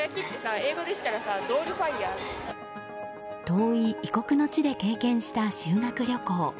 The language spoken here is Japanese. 遠い異国の地で経験した修学旅行。